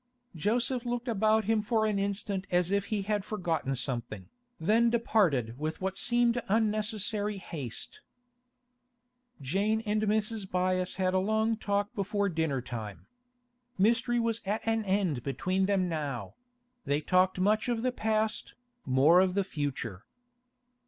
Joseph looked about him for an instant as if he had forgotten something, then departed with what seemed unnecessary haste. Jane and Mrs. Byass had a long talk before dinner time. Mystery was at an end between them now; they talked much of the past, more of the future.